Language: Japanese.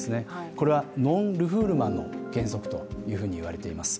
これはノン・ルフールマンの原則というふうにいわれています。